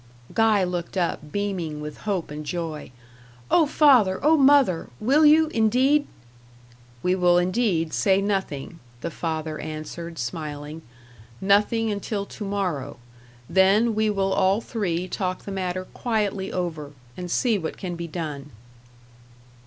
Guy looked up, beaming with hope and joy. "O father! O mother! will you, indeed " "We will indeed say nothing," the father answered, smiling; "nothing, until to morrow. Then we will all three talk the matter quietly over, and see what can be done."